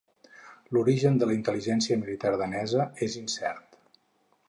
L'origen de la intel·ligència militar danesa és incert.